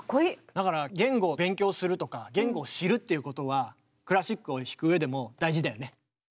だから言語を勉強するとか言語を知るっていうことはクラシックを弾く上でも大事だよね。